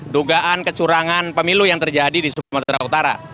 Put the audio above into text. dugaan kecurangan pemilu yang terjadi di sumatera utara